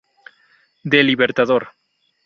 Del Libertador.